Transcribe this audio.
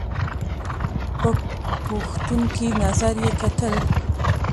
په پوښتونکي نظر یې کتل !